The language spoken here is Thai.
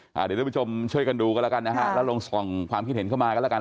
เดี๋ยวทุกผู้ชมช่วยกันดูกันแล้วกันนะฮะแล้วลองส่องความคิดเห็นเข้ามากันแล้วกัน